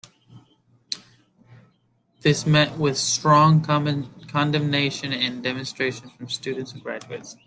This met with strong condemnation and demonstrations from students and graduates.